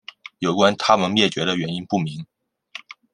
有关它们灭绝的原因不明。